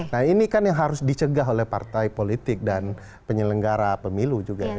nah ini kan yang harus dicegah oleh partai politik dan penyelenggara pemilu juga